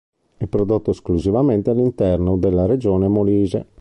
È prodotto esclusivamente all'interno della regione Molise.